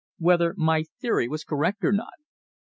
"Whether my theory was correct or not."